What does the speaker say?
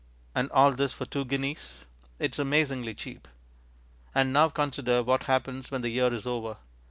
And all this for two guineas; it is amazingly cheap. And now consider what happens when the year is over.